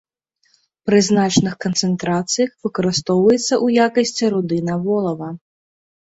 Пры значных канцэнтрацыях выкарыстоўваецца ў якасці руды на волава.